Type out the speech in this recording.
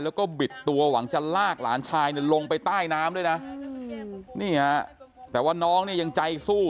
แล้วก็บิดตัวหวังจะลากหลานชายเนี่ยลงไปใต้น้ำด้วยนะนี่ฮะแต่ว่าน้องเนี่ยยังใจสู้